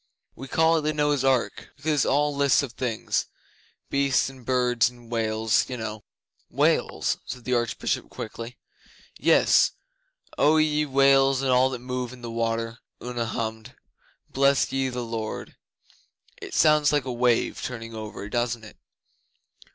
We call it the Noah's Ark, because it's all lists of things beasts and birds and whales, you know.' 'Whales?' said the Archbishop quickly. 'Yes "O ye whales, and all that move in the waters,"' Una hummed '"Bless ye the Lord." It sounds like a wave turning over, doesn't it?